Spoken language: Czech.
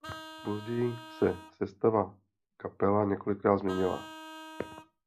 Později se sestava kapela několikrát změnila.